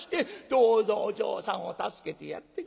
「どうぞお嬢さんを助けてやって下さい。